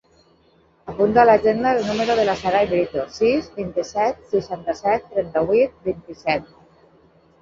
Apunta a l'agenda el número de la Saray Brito: sis, vint-i-set, seixanta-set, trenta-vuit, vint-i-set.